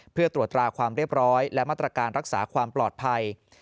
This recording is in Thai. เพื่อตรวจตราความเรียบร้อยและมาตรการรักษาความปลอดภัย